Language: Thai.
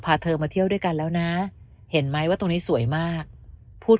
เธอมาเที่ยวด้วยกันแล้วนะเห็นไหมว่าตรงนี้สวยมากพูด